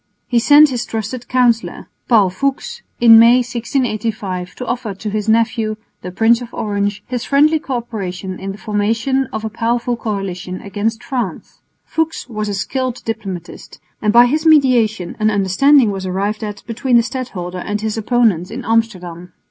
He sent his trusted councillor, Paul Fuchs, in May, 1685, to offer to his nephew, the Prince of Orange, his friendly co operation in the formation of a powerful coalition against France. Fuchs was a skilled diplomatist, and by his mediation an understanding was arrived at between the stadholder and his opponents in Amsterdam.